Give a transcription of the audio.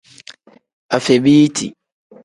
Afebiiti.